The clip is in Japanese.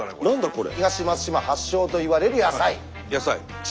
これ。